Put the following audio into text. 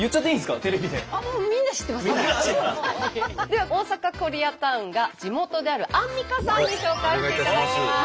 では大阪コリアタウンが地元であるアンミカさんに紹介していただきます！